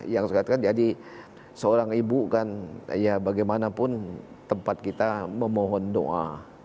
yang saya katakan jadi seorang ibu kan ya bagaimanapun tempat kita memohon doa